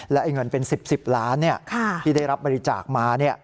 และเงินเป็น๑๐๑๐ล้านที่ได้รับบริจาคมา